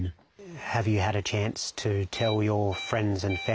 はい。